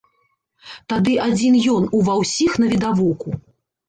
Тады адзін ён ува ўсіх навідавоку.